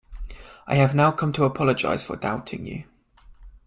I have now come to apologize for doubting you.